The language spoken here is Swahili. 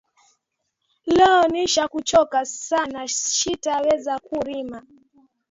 Leo nisha ku choka sana shita weza ku rima